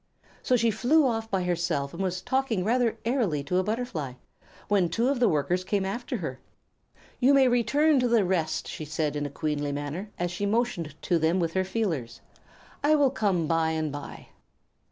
So she flew off by herself and was talking rather airily to a Butterfly when two of the Workers came after her. "You may return to the rest," she said in a queenly way, as she motioned to them with her feelers. "I will come by and by."